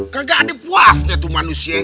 kagak ada puasnya tuh manusia